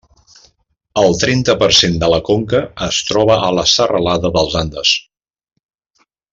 El trenta per cent de la conca es troba a la serralada dels Andes.